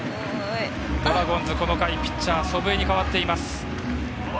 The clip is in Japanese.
ドラゴンズこの回、ピッチャー祖父江に代わっています。